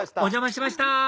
お邪魔しました！